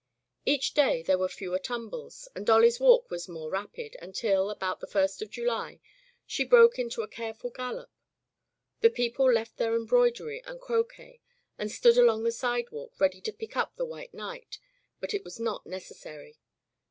Each day there were fewer tumbles, and Dolly's walk was more rapid, until, about the first of July, she broke into a careful gal lop. The people left their embroidery and croquet and stood along the sidewalk ready to pick up the White Knight, but it was not necessary.